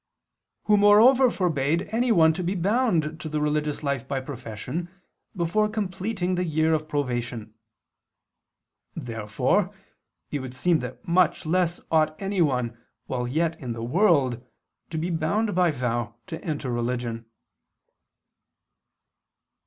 ] who moreover forbade anyone to be bound to the religious life by profession before completing the year of probation. Therefore it would seem that much less ought anyone while yet in the world to be bound by vow to enter religion.